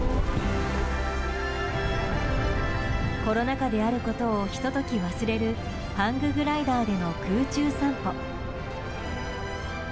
コロナ禍であることをひと時忘れるハンググライダーでの空中散歩。